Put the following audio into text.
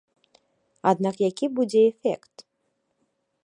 Аднак які будзе эфект?